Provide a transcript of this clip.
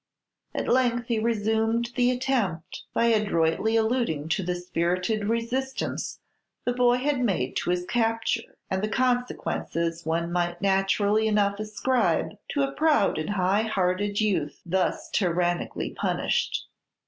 At length he resumed the attempt by adroitly alluding to the spirited resistance the boy had made to his capture, and the consequences one might naturally enough ascribe to a proud and high hearted youth thus tyrannically punished.